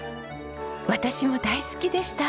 私も大好きでした。